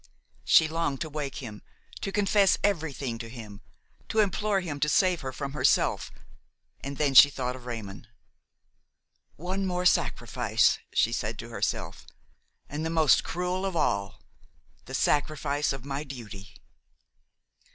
She longed to wake him, to confess everything to him, to implore him to save her from herself; and then she thought of Raymon. "One more sacrifice," she said to herself, "and the most cruel of all–the sacrifice of my duty."